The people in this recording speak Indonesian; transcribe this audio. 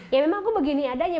ya memang aku begini adanya